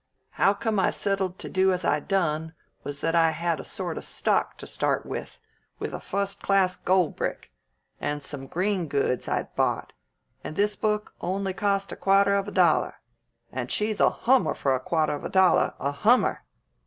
How come I settled to do as I done was that I had a sort of stock to start with, with a fust class gold brick, and some green goods I'd bought; and this book only cost a quatter of a dollar. And she's a hummer for a quatter of a dollar! A hummer!"